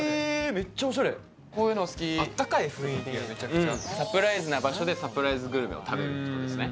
めっちゃおしゃれこういうの好きあったかい雰囲気がめちゃくちゃサプライズな場所でサプライズグルメを食べるってことですね